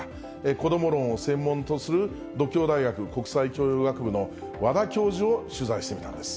こども論を専門とする獨協大学国際教養学部の和田教授を取材してみたんです。